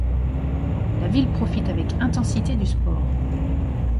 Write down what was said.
La ville profite avec intensité du sport.